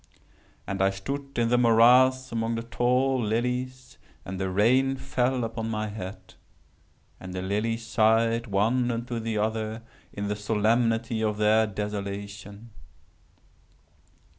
And I stood in the morass among the tall and the rain fell upon my head—and the lilies sighed one unto the other in the solemnity of their desolation.